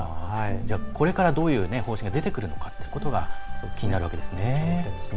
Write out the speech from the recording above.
これから、どういう方針が出てくるのかというのが気になるわけですね。